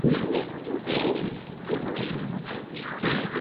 Se distinguía por su gran sentido del humor, muchas veces rayando en lo macabro.